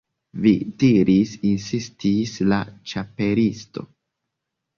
"Vi diris" insistis la Ĉapelisto.